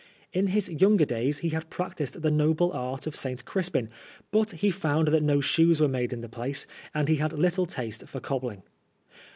In his younger days he had practised the noble art of St. Crispin, but he found that no shoes were made in the place, and he had little taste for cobbling.